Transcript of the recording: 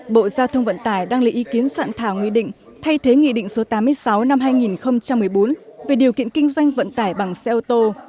bộ giao thông vận tải đang lấy ý kiến soạn thảo nghị định thay thế nghị định số tám mươi sáu năm hai nghìn một mươi bốn về điều kiện kinh doanh vận tải bằng xe ô tô